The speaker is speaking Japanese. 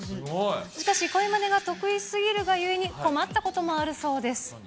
しかし声まねが得意すぎるがゆえに困ったこともあるそうです。